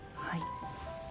はい。